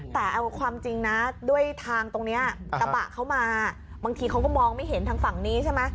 แต่เอาความจริงนะด้วยทางตรงนี้กระบะเขามาบางทีเขาก็มองไม่เห็นทางฝั่งนี้ใช่ไหม